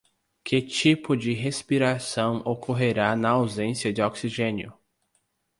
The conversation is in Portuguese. Que tipo de respiração ocorrerá na ausência de oxigênio?